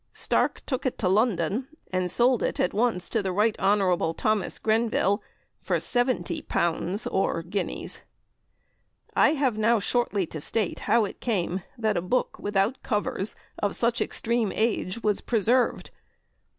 Stark took it to London, and sold it at once to the Rt. Hon. Thos. Grenville for seventy pounds or guineas. "I have now shortly to state how it came that a book without covers of such extreme age was preserved.